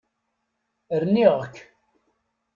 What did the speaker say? Rniɣ-k.